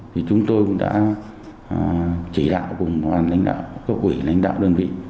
thì chúng tôi cũng đã chỉ đạo cùng các quỷ lãnh đạo đơn vị